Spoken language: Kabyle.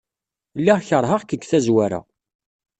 Lliɣ keṛheɣ-k deg tazwara.